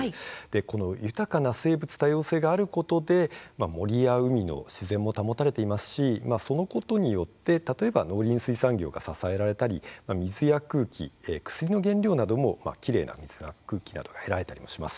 この豊かな生物多様性があることで森や海の自然も保たれていますしそのことによって農林水産業が支えられたり水や空気、薬の原料などきれいな水や空気が得られたりもします。